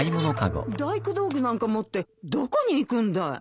大工道具なんか持ってどこに行くんだい？